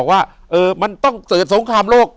อยู่ที่แม่ศรีวิรัยิลครับ